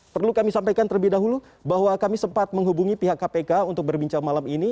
perlu kami sampaikan terlebih dahulu bahwa kami sempat menghubungi pihak kpk untuk berbincang malam ini